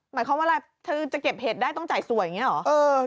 หมายความว่าอะไรเธอจะเก็บเห็ดได้ต้องจ่ายสวยอย่างนี้หรอ